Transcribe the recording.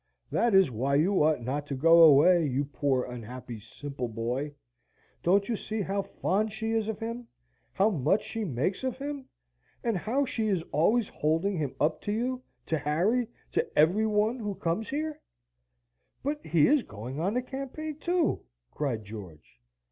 That is why you ought not to go away, you poor, unhappy, simple boy! Don't you see how fond she is of him? how much she makes of him? how she is always holding him up to you, to Harry, to everybody who comes here?" "But he is going on the campaign, too," cried George.